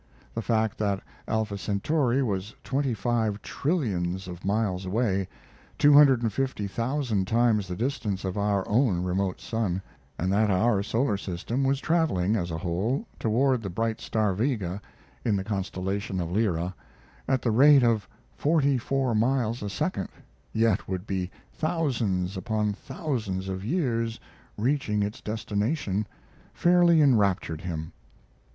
The fact that Alpha Centauri was twenty five trillions of miles away two hundred and fifty thousand times the distance of our own remote sun, and that our solar system was traveling, as a whole, toward the bright star Vega, in the constellation of Lyra, at the rate of forty four miles a second, yet would be thousands upon thousands of years reaching its destination, fairly enraptured him.